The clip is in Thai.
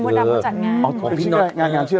งานชื่ออะไรนะ